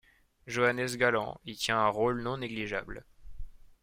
Joannès Galland y tient un rôle non négligeable.